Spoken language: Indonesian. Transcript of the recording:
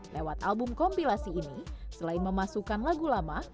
lewat album kompilasi ini selain memasukkan lagu lama